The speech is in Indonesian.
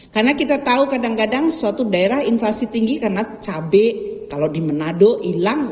karena kita tahu kadang kadang suatu daerah inflasi tinggi karena cabai kalau di menado hilang